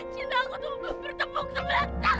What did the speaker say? cinta aku tuh bertepuk semenak tau gak pak